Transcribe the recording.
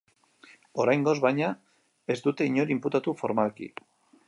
Oraingoz, baina, ez dute inor inputatu formalki.